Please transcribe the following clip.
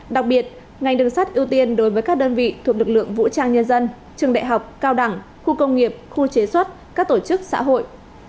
đặc biệt ngành đường sắt ưu tiên đối với các đơn vị thuộc lực lượng vũ trang nhân dân trường đại học cao đẳng khu công nghiệp khu chế xuất các tổ chức xã hội